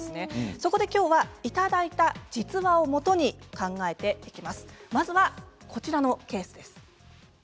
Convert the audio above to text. そこで今日はいただいた実話をもとに考えます。